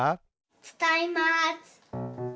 つかいます。